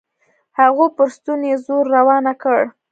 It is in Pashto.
خو پر ستوني يې زور راونه کړ.